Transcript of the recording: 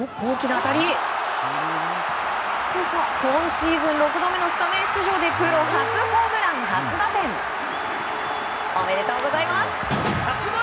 今シーズン６度目のスタメン出場でプロ初ホームラン初打点！おめでとうございます！